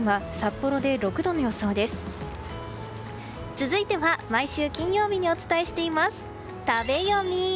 続いては毎週金曜日にお伝えしています食べヨミ。